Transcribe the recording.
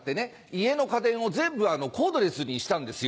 家の家電を全部コードレスにしたんですよ。